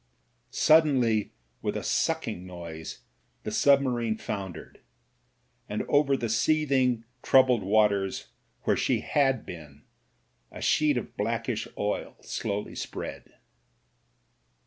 Suddenly with a sucking noise the submarine foun dered, and over the seething, troubled waters where she had been a sheet of blackish oil slowly spread.